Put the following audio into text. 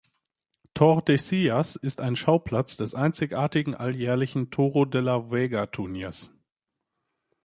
Tordesillas ist Schauplatz des einzigartigen alljährlichen Toro de la Vega Turniers.